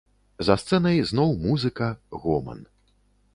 За сцэнай зноў музыка, гоман.